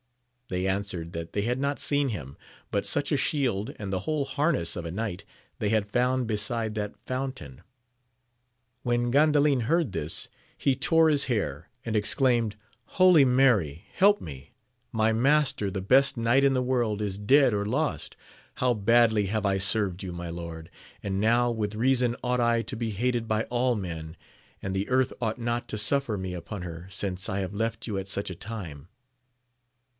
They answered that they had not seen him, but such a shield and the whole harness of a knight, they had found beside that fountain. When Gandalin heard this, he tore his hair, and exclaimed, Holy Mary, help me ! my master, the best knight in the world, is dead or lost ! how badly have I served you, my lord ! and now with reason ought I to be hated by all men, and the earth ought not to suffer me upon her, since I have left you at such a time